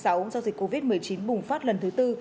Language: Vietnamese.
do dịch covid một mươi chín bùng phát lần thứ tư